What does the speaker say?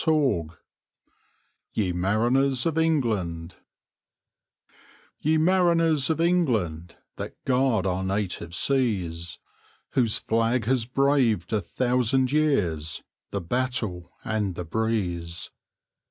Tennyson YE MARINERS OF ENGLAND Ye mariners of England That guard our native seas, Whose flag has braved, a thousand years, The battle and the breeze!